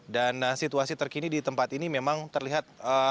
dan situasi terkini di tempat ini memang terlihat